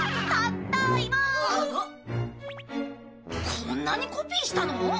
こんなにコピーしたの？